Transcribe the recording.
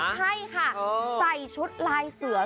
ใช่ค่ะใส่ชุดลายเสือ